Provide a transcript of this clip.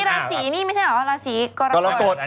พี่ลาสีนี่ไม่ใช่เหรอลาสีก็ละโกด